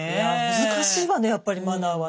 難しいわねやっぱりマナーはね。